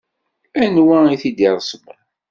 Anwa i t-id-iṛesmen?